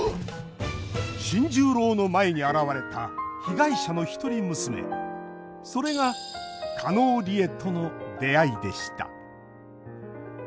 新十郎の前に現れた被害者の一人娘それが加納梨江との出会いでした